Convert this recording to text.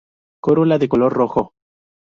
Corola de color rojo.